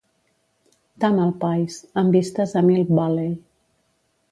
Tamalpais, amb vistes a Mill Valley.